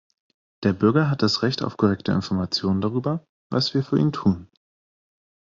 Der Bürger hat das Recht auf korrekte Information darüber, was wir für ihn tun.